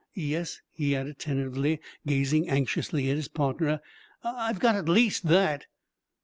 Yes," he added tentatively, gazing anxiously at his partner, "I've got at least that."